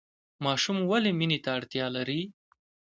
ماشوم ولې مینې ته اړتیا لري؟